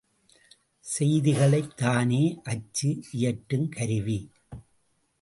செய்திகளைத் தானே அச்சு இயற்றும் கருவி.